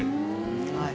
はい。